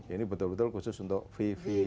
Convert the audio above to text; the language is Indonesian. ini betul betul khusus untuk vv